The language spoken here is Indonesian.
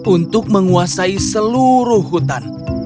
untuk menguasai seluruh hutan